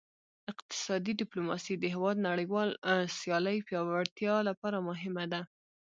اقتصادي ډیپلوماسي د هیواد نړیوال سیالۍ پیاوړتیا لپاره مهمه لار ده